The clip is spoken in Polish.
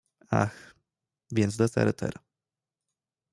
"Ach, więc dezerter."